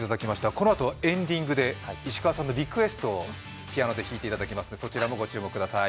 このあと、エンディングで石川さんのリクエストをピアノで弾いていただきますので、そちらもご注目ください。